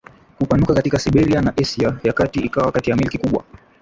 kupanuka katika Siberia na Asia ya Kati ikawa kati ya milki kubwa